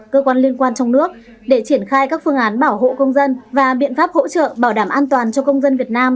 cơ quan liên quan trong nước để triển khai các phương án bảo hộ công dân và biện pháp hỗ trợ bảo đảm an toàn cho công dân việt nam